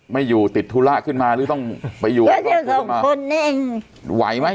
ไม่อยู่ติดธุระขึ้นมาหรือต้องไปอยู่สองคนนี้เองไหวไหม